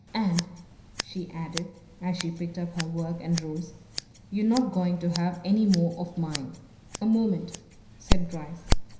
And," she added, as she picked up her work and rose, "you're not going to have any more of mine!" "A moment!" said Bryce.